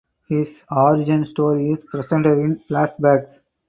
His origin story is presented in flashbacks.